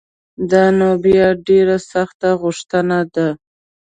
دا نو بیا ډېره سخته غوښتنه ده